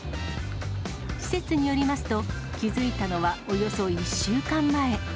施設によりますと、気付いたのはおよそ１週間前。